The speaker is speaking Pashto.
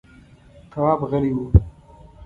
تواب غلی و…